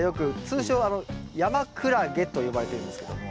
通称ヤマクラゲと呼ばれてるんですけども。